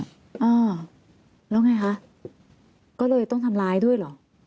อ่าแล้วไงคะก็เลยต้องทำร้ายด้วยเหรอ